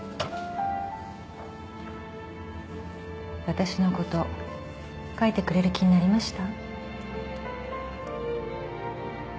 私のこと描いてくれる気になりました？